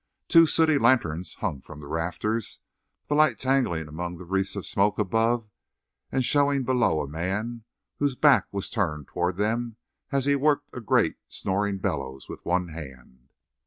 Two sooty lanterns hung from the rafters, the light tangling among wreaths of smoke above and showing below a man whose back was turned toward them as he worked a great snoring bellows with one hand.